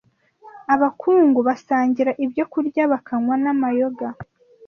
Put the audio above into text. ’abakungu basangira ibyo kurya bakanywa n’amayoga